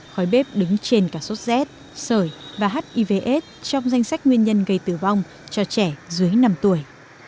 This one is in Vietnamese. khói bếp đứng trên cả sốt rét sởi và hivs trong danh sách nguyên nhân gây tử vong cho trẻ dưới năm tuổi